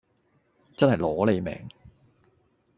真係攞你命